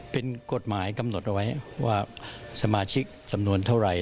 เป็นกฎหมายกำหนดเอาไว้ว่าสมาชิกสำนวนเท่าไหร่